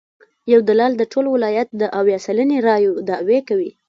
یو دلال د ټول ولایت د اویا سلنې رایو دعوی کوي.